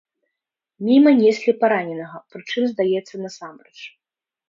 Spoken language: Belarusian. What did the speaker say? Міма неслі параненага, прычым, здаецца, насамрэч.